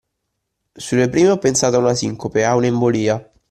Sulle prime ho pensato a una sincope, a un'embolia.